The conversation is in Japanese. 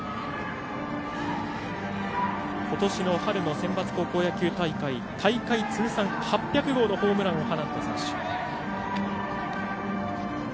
ことしの春のセンバツ高校野球大会大会通算８００号のホームランを放った選手。